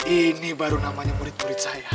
ini baru namanya murid murid saya